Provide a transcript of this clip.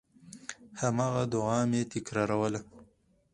هماغه دعا مې تکراروله.